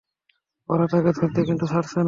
ওরা তাকে ধরছে কিন্তু ছাড়ছে না।